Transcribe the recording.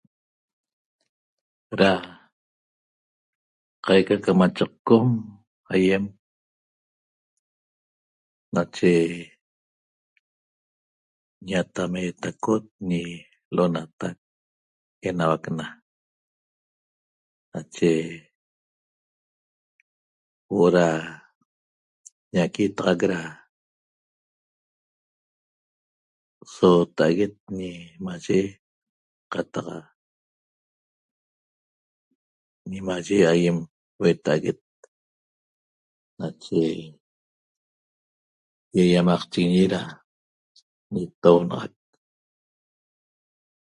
Da qaica camachaqcom aýem nache ñatameetacot ñi L'onanatac Enauac Naq nache huo'o naquitaxac da soota'aguet ñimaye qataq ñimaye aýem hueta'aguet nache ýaýamaqchiguiñi da ñitounaxac